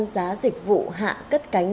giá dịch vụ hạ cất cánh